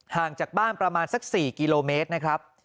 ห่างจากบ้านประมาณสัก๔กิโลเมตรนะครับ